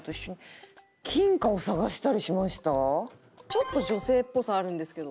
ちょっと女性っぽさあるんですけど。